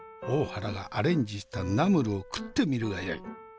大原がアレンジしたナムルを食ってみるがよい。